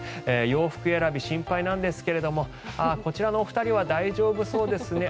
洋服選び、心配なんですけれどもこちらのお二人は大丈夫そうですね。